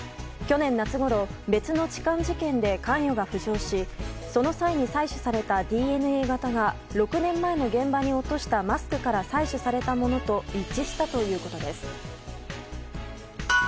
去年夏ごろ、別の痴漢事件で関与が浮上しその際に採取されたＤＮＡ型が６年前の現場に落としたマスクから採取されたものと一致したということです。